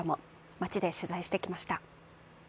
街で取材してきました。